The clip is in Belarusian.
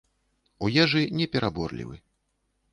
У ежы не пераборлівы.